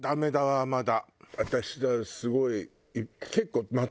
私さすごい。